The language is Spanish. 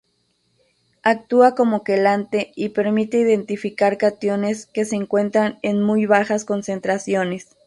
Actúa como quelante y permite identificar cationes que se encuentran en muy bajas concentraciones.